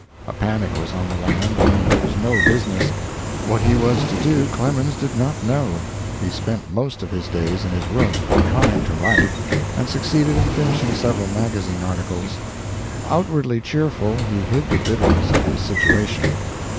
A panic was on the land and there was no business. What he was to do Clemens did not know. He spent most of his days in his room, trying to write, and succeeded in finishing several magazine articles. Outwardly cheerful, he hid the bitterness of his situation.